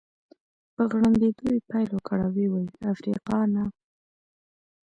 په غړمبېدو يې پیل وکړ او ويې ویل: افریقانا.